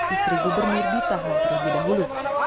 istri gubernur ditahan terlebih dahulu